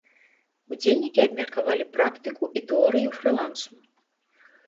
Удзельнікі абмеркавалі практыку і тэорыю фрылансу.